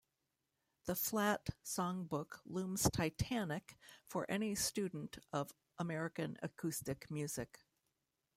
The Flatt songbook looms titanic for any student of American acoustic music.